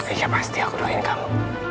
indonesia pasti aku doain kamu